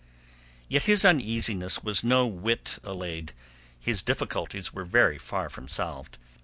Yet his uneasiness was no whit allayed; his difficulties were very far from solved.